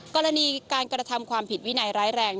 กรณีการกระทำความผิดวินัยร้ายแรง